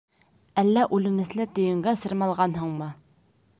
Әллә үлемесле төйөнгә сырмалғанһыңмы?